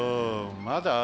まだ？